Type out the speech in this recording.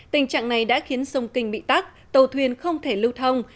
tình trạng này đã khiến sông kinh bị tắt tàu thuyền không thể lưu thông